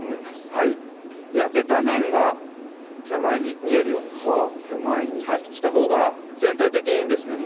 はい焼けた面が手前に見えるようにはぁ手前にしたほうが全体的にですね